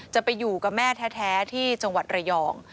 จะไปอยู่กับแม่แท้ที่จังหวัดระยอง